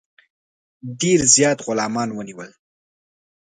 ډېر زیات غلامان ونیول.